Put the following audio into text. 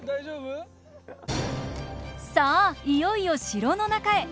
いよいよ城の中へ！